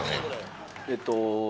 えっと